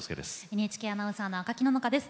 ＮＨＫアナウンサーの赤木野々花です。